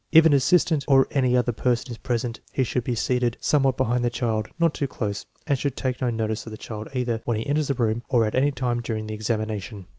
If an assistant or any other person is present, he should be seated some what behind the child, not too close, and should take no notice of the child either when he enters the room or at any time during the examination.